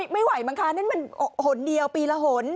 ไม่ไหวมั้งคะนั่นมันหนเดียวปีละหน